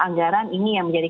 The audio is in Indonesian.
anggaran ini yang menjadi